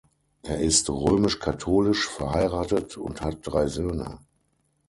Er ist römisch-katholisch, verheiratet und hat drei Söhne.